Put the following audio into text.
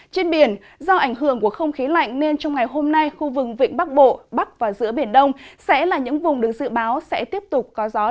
trên biển do ảnh hưởng của không khí lạnh nên trong ngày hôm nay khu vực vịnh bắc bộ bắc và giữa biển đông sẽ là những vùng được dự báo sẽ tiếp tục có gió mạnh